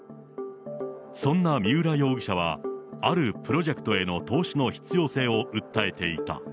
そんな三浦容疑者は、あるプロジェクトへの投資の必要性を訴えていた。